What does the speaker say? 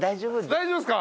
大丈夫ですか？